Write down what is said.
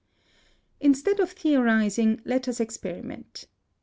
] (155) Instead of theorizing, let us experiment.